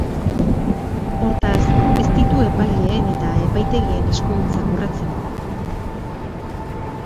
Hortaz, ez ditu epaileen eta epaitegien eskuduntzak urratzen.